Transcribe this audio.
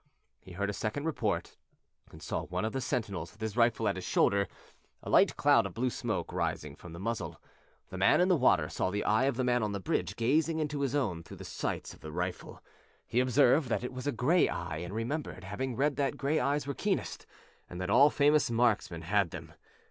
He heard a second report, and saw one of the sentinels with his rifle at his shoulder, a light cloud of blue smoke rising from the muzzle. The man in the water saw the eye of the man on the bridge gazing into his own through the sights of the rifle. He observed that it was a gray eye and remembered having read that gray eyes were keenest, and that all famous markmen had them.